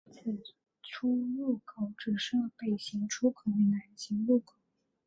此出入口只设北行出口与南行入口。